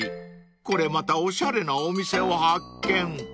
［これまたおしゃれなお店を発見］